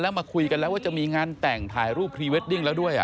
แล้วมาคุยกันแล้วว่าจะมีงานแต่งถ่ายรูปพรีเวดดิ้งแล้วด้วย